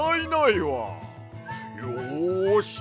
よし！